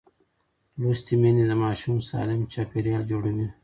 لوستې میندې د ماشوم سالم چاپېریال جوړوي.